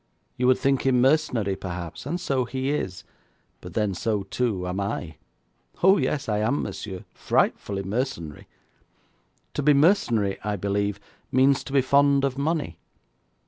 You would think him mercenary, perhaps, and so he is; but then so, too, am I. Oh, yes, I am, monsieur, frightfully mercenary. To be mercenary, I believe, means to be fond of money.